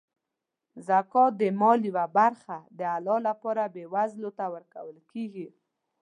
زکات د مال یوه برخه د الله لپاره بېوزلو ته ورکول کیږي.